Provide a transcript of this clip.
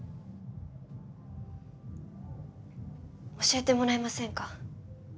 教えてもらえませんか？